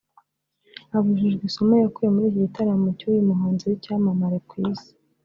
Abajijwe isomo yakuye muri iki gitaramo cy’uyu muhanzi w’icyamamare ku isi